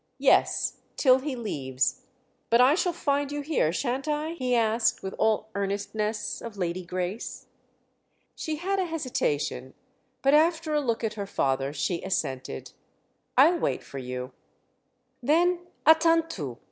"Yes—till he leaves. But I shall find you here, shan't I?" he asked with all earnestness of Lady Grace. She had an hesitation, but after a look at her father she assented. "I'll wait for you." "Then à tantôt!"